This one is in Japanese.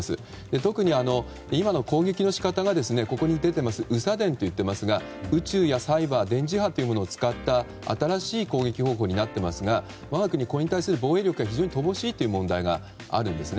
特に今の攻撃の仕方はウサデンと言っていますが宇宙やサイバー、電磁波を使った新しい攻撃方法になっていますが我が国はこれに対する防衛力が乏しいという問題があるんですね。